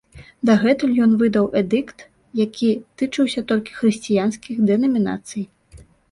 Дагэтуль ён выдаў эдыкт, які тычыўся толькі хрысціянскіх дэнамінацый.